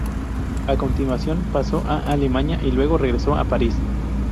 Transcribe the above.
A continuación, pasó a Alemania, y luego regresó a París.